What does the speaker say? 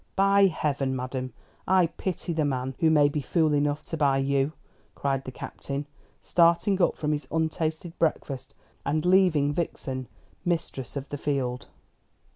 "By Heaven, madam, I pity the man who may be fool enough to buy you!" cried the Captain, starting up from his untasted breakfast, and leaving Vixen mistress of the field.